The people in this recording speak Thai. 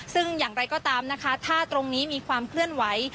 ซึ่งอย่างไรก็ตามนะคะถ้าตรงนี้มีความเคลื่อนไหว